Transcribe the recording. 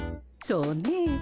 そうねえ。